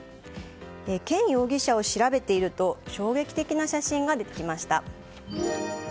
ケン容疑者を調べていると衝撃的な写真が出てきました。